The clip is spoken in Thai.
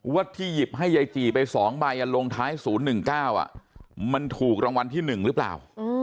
ที่หยิบให้ยายจีไป๒ใบลงท้าย๐๑๙มันถูกรางวัลที่๑หรือเปล่า